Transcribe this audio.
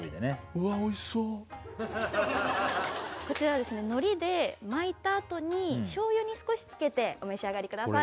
うわあおいしそうこちらは海苔で巻いたあとに醤油に少しつけてお召し上がりください